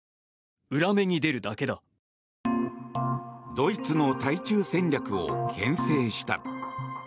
ドイツの対中戦略をけん制した。